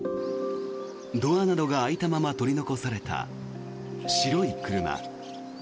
ドアなどが開いたまま取り残された白い車。